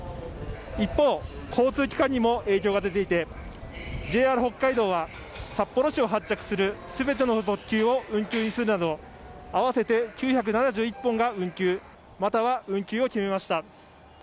一方、交通機関にも影響が出ていて、ＪＲ北海道は、札幌市を発着するすべての特急を運休にするなど、合わせて９７１本が運休、または運休を決めました。